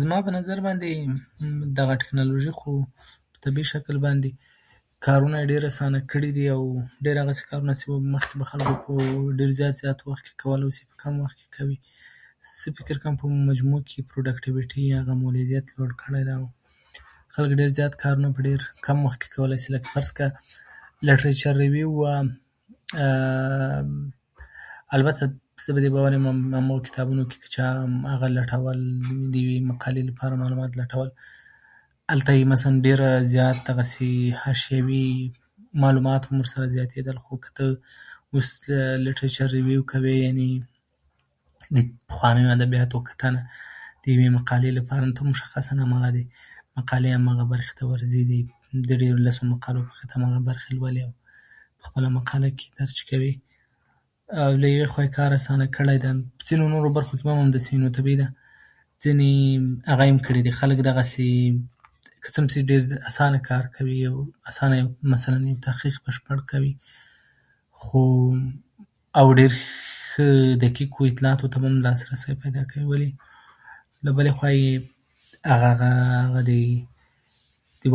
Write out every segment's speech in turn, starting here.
زما په نظر باندې دغه تکنالوژي خو په طبيعي شکل باندې کارونه یې ډېر اسانه کړي دي. ډېر هغسې کارونه چې مخکې به په ډېر زيات وخت کې کول، اوس یې په کم وخت کې کوي. زه فکر کوم په مجموع کې یې پروډکټيويټي یا هغه مولدیت لوړ کړی دی او خلک ډېر زیات کارونه په ډېر کم وخت کې کولای شي. فرض کړه لېټریچر ریویو البته زه په دې باور یم ما په کتابونو لټول، د یوې مقالې لپاره لټول هغلته ډېر زیات دغسې حاشیوي معلومات ورسره زیاتېدل؛ خو که ته اوس لېټریچر ریویو کوې، یعنې پخوانیو ادبیاتو کتنه د یوې مقالې لپاره، ته مشخص د هغې لپاره مقالې هماغه برخې ته ورځې، د دغې لېستو هماغه برخه لولې، خپله مقاله کې که هر څه کوې له یوې خوا یې کار اسانه کړی دی. ځینو نورو برخو کې به هم همداسې وي، طبيعي ده ځينې هغه یې هم کړي دي، خلک دغسې که څه هم ډېر اسانه کار کوي، اسانه مثلا د تحقیق په شکل یې کوي، خو او ډېر ښه دقیق اطلاعاتو ته به لاسرسی پیدا کوي؛ ولې له بلې خوا یې هغه، هغه، هغه د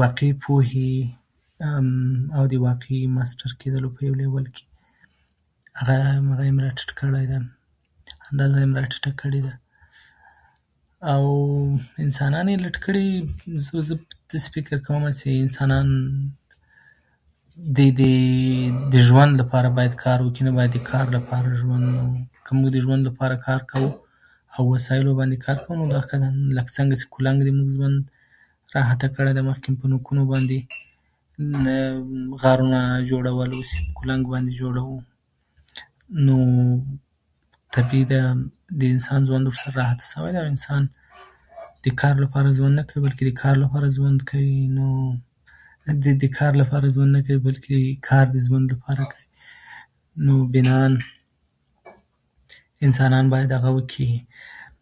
واقعي پوهې او د واقعي ماسټر کېدلو په یو لېول کې هغه، هغه یې هم راټیټ کړی دی، اندازه یې هم راټیته کړې ده او انسانان یې لټ کړي دي. زه، زه داسې فکر کوم چې انسانان د دې د ژوند لپاره باید کار وکړي، نه د ژوند لپاره کار. نو که موږ د ژوند لپاره کار کوو او وسایلو کار لکه څرنګه چې کولنګ زموږ ژوند راحته کړی دی (مخکې به مو په نوکونو باندې غارونه جوړول اوس یې په کولنګ باندې جوړوو) نو طبيعي ده د انسانانو ژوند ورسره راحته شوی دی. د انسان د کار لپاره ژوند نه کوي بلکې د کار لپاره ژوند کوي، نو د د کار لپاره ژوند نه کوي بلکې کار د ژوند لپاره کوي. نو بناً انسانان باید هغه وکړي رفاهي امکانات زيات کړي چې ډېر کار ته مجبوره نه وي، سخت کار ته مجبوره نه وي.